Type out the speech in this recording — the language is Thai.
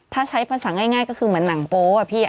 ถ้าใช้ภาษาง่ายก็คือเหมือนหนังโป๊อะพี่